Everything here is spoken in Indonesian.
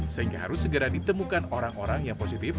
sehingga harus segera ditemukan orang orang yang positif